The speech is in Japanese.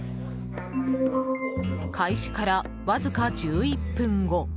開始からわずか１１分後。